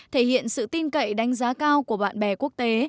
thể hiện sự tin cậy đánh giá cao của bạn bè quốc tế